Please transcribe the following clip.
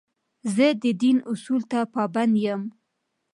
زه د دین اصولو ته پابند یم.